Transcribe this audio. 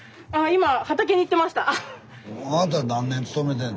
今畑に行ってました。